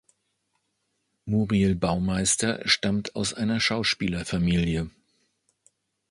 Muriel Baumeister stammt aus einer Schauspielerfamilie.